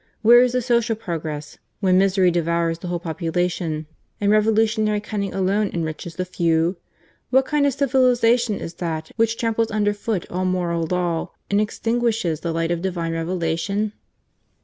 Where is the social progress when misery devours the whole population and revolutionary cunning alone enriches the few ? What kind of civilization is that which tramples under foot all moral law, and extinguishes the light of Divine Revelation